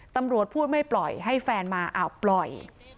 ตำรวจพูดไม่ปล่อยให้แฟนมาอ้าวปล่อย